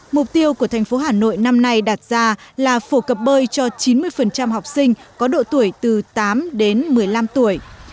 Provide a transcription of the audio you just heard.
mục tiêu của thành phố hà nội năm nay đặt ra là phổ cập bơi cho chín mươi học sinh có độ tuổi từ tám đến một mươi năm tuổi